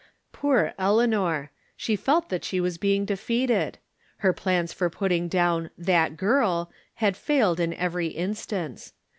Poor Eleanor ! She felt that she was being defeated. Her plans for putting down "that girl " had failed in every instance.